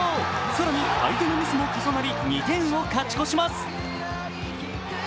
更に相手のミスも重なり２点を勝ち越します。